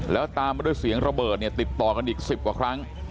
แล้วตามมาด้วยเสียงระเบิดเนี่ยติดต่อกันอีก๑๐กว่าครั้ง